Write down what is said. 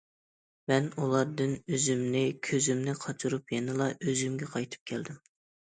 مەن ئۇلاردىن ئۆزۈمنى، كۆزۈمنى قاچۇرۇپ، يەنىلا ئۆزۈمگە قايتىپ كەلدىم.